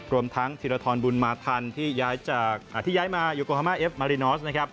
รวมทั้งธิรธรรมบุญมาทันที่ย้ายมายูโกฮามาเอฟมารินอลซ์